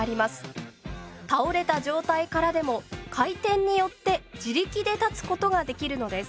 倒れた状態からでも回転によって自力で立つことができるのです。